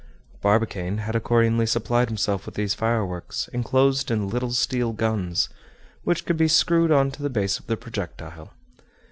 Barbicane had accordingly supplied himself with these fireworks, enclosed in little steel guns, which could be screwed on to the base of the projectile.